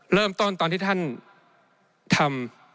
เริ่มต้นตอนที่ท่านทำ